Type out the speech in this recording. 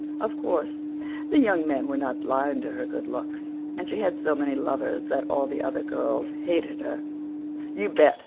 "Of course, the young men were not blind to her good looks, and she had so many lovers that all the other girls hated her " "You bet!"